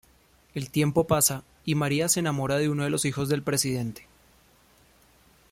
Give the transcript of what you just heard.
El tiempo pasa y "María" se enamora de uno de los hijos del presidente.